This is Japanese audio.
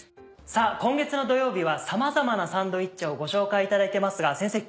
さぁ今月の土曜日はさまざまなサンドイッチをご紹介いただいてますが先生